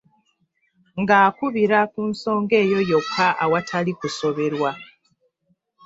Ng’akubira ku nsonga eyo yokka awatali kusoberwa.